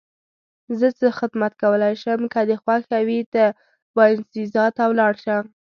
زه څه خدمت کولای شم؟ که دې خوښه وي ته باینسیزا ته ولاړ شه.